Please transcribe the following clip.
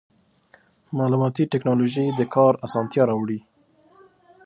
مالوماتي ټکنالوژي د کار اسانتیا راوړي.